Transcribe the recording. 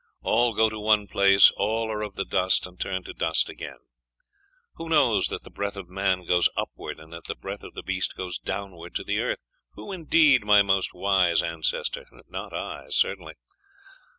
All go to one place; all are of the dust, and turn to dust again. Who knows that the breath of man goes upward, and that the breath of the beast goes downward to the earth? Who, indeed, my most wise ancestor? Not I, certainly.